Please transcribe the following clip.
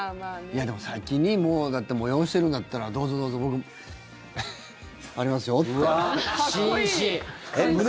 でも先にもう催してるんだったらどうぞ、どうぞ僕、ありますよって。